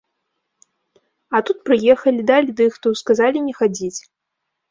А тут прыехалі, далі дыхту, сказалі не хадзіць.